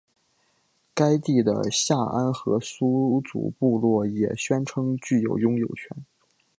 该地的夏安河苏族部落也宣称具有拥有权。